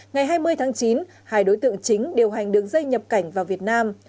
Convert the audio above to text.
ngày hai mươi tháng chín hai đối tượng chính điều hành đường dây nhập cảnh vào việt nam